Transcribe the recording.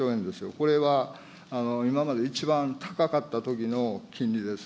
これは今まで一番高かったときの金利です。